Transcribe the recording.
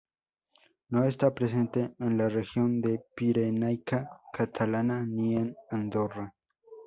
No está presente en la región de pirenaica catalana, ni en Andorra.